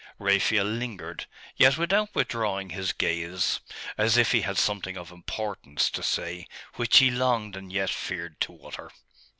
Raphael lingered, yet without withdrawing his gaze, as if he had something of importance to say, which he longed and yet feared to utter.